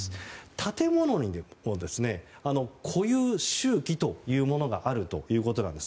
建物には固有周期というものがあるということなんです。